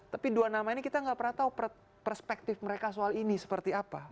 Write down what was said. tapi dua nama ini kita nggak pernah tahu perspektif mereka soal ini seperti apa